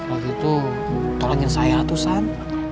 kalau gitu tolongin saya ratusan